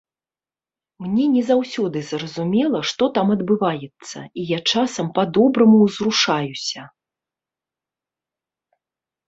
Мне не заўсёды зразумела, што там адбываецца, і я часам па-добраму ўзрушаюся.